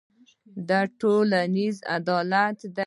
دا ټولنیز عدالت دی.